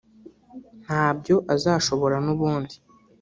ntabyo azashobora n’ubundi